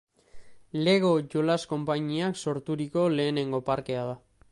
Lego jolas konpainiak sorturiko lehenengo parkea da.